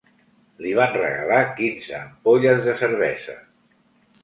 Li van regalar quinze ampolles de cervesa